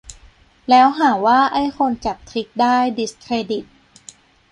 แล้วหาว่าไอ้คนจับทริกได้'ดิสเครดิต'